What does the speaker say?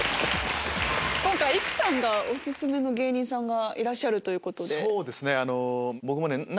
今回育さんがオススメの芸人さんいらっしゃるということで。